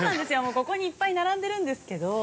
ここにいっぱい並んでるんですけど。